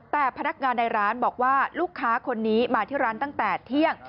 แต่พนักงานในร้านบอกว่าลูกค้าคนนี้มาที่ร้านตั้งแต่เที่ยง